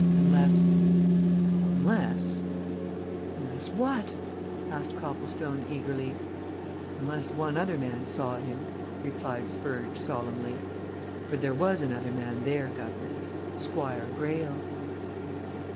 unless unless " "Unless what?" asked Copplestone eagerly. "Unless one other man saw him," replied Spurge solemnly. "For there was another man there, guv'nor. Squire Greyle!"